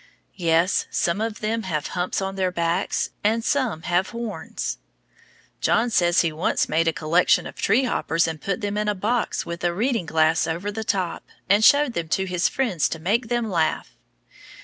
Yes, some of them have humps on their backs and some have horns. John says he once made a collection of tree hoppers and put them in a box with a reading glass over the top, and showed them to his friends to make them laugh.